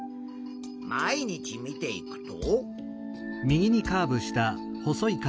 毎日見ていくと。